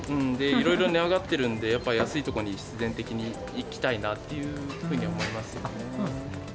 いろいろ値上がってるんで、やっぱ安いとこに、必然的に行きたいなっていうふうには思います